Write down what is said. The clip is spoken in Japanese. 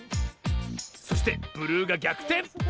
そしてブルーがぎゃくてん！